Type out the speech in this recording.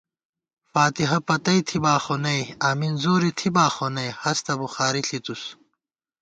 فاتحہ پتی تھِباخونئ امین زورےتھِبا خونئ ہستہ بُخاری ݪِتُس